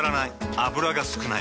油が少ない。